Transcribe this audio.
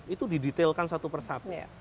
itu didetailkan satu persatu